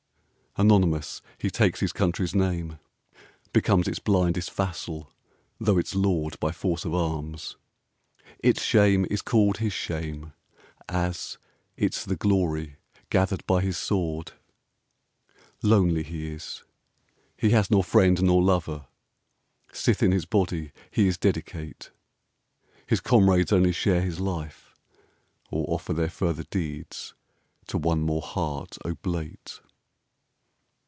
Anonymous, he takes his country's name, Becomes its blindest vassal though its lord By force of arms; its shame is called his shame, As its the glory gathered by his sword. Lonely he is: he has nor friend nor lover, Sith in his body he is dedicate.... His comrades only share his life, or offer Their further deeds to one more heart oblate.